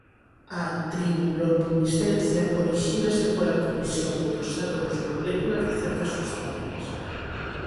A triboluminescencia orixínase pola colisión entre os átomos ou moléculas de certas substancias.